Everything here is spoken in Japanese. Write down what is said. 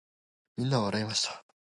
皆は笑いました。